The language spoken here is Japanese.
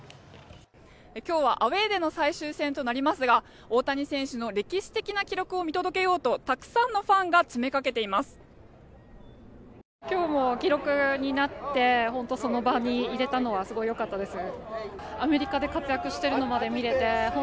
今日はアウェーでの最終戦となりますが大谷選手の歴史的な記録を見届けようとたくさんのファンが詰めかけています。